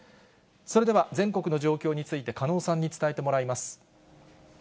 それでは、全国の状況について加納さんに伝えてもらいます。